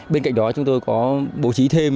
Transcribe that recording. bên cạnh đó chúng tôi có bố trí thêm